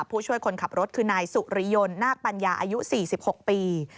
ผู้ช่วยคนขับรถคือนายสุริยนนาคปัญญาอายุ๔๖ปี